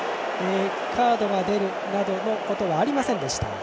カードが出るなどのことはありませんでした。